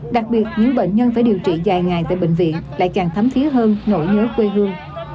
đặc biệt những bệnh nhân phải điều trị dài ngày tại bệnh viện lại càng thấm thía hơn nổi nhớ quê hương